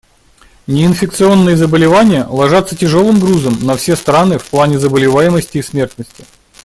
Неинфекционные заболевания ложатся тяжелым грузом на все страны в плане заболеваемости и смертности.